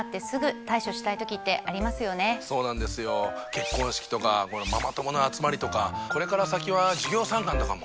結婚式とかママ友の集まりとかこれから先は授業参観とかも。